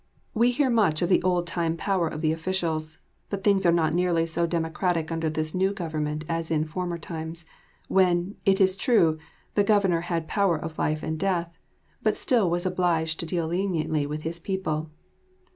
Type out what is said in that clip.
We hear much of the old time power of the officials; but things are not nearly so democratic under this new government as in former times, when, it is true, the governor had power of life and death, but still was obliged to deal leniently with his people.